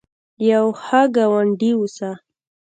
یو ښه ګاونډي اوسه